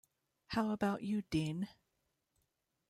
How about you, Dean?